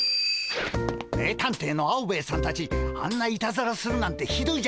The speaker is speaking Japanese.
名探偵のアオベエさんたちあんないたずらするなんてひどいじゃないですか。